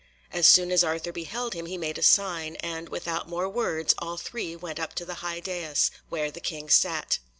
As soon as Arthur beheld him he made a sign, and without more words all three went up to the high daïs, where the King sat.